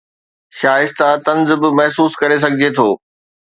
شائستہ طنز به محسوس ڪري سگھجي ٿو